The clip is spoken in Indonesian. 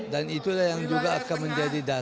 dan itulah yang juga akan menjadi pilihan